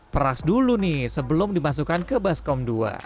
peras dulu nih sebelum dimasukkan ke baskom dua